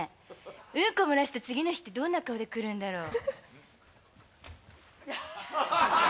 うんこもらした次の日ってどんな顔で来るんだろう